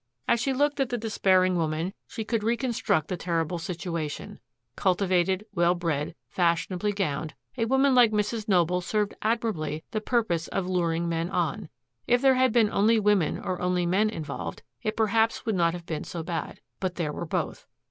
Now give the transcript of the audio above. As she looked at the despairing woman, she could reconstruct the terrible situation. Cultivated, well bred, fashionably gowned, a woman like Mrs. Noble served admirably the purpose of luring men on. If there had been only women or only men involved, it perhaps would not have been so bad. But there were both.